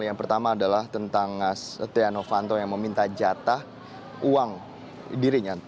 yang pertama adalah tentang setia novanto yang meminta jatah uang dirinya